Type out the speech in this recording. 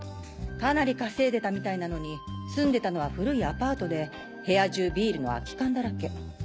かなり稼いでたみたいなのに住んでたのは古いアパートで部屋中ビールの空き缶だらけ。